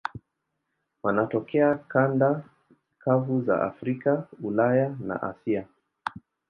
Wanatokea kanda kavu za Afrika, Ulaya na Asia.